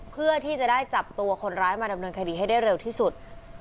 เพื่อที่จะได้จับตัวคนร้ายมาดำเนินคดีให้ได้เร็วที่สุด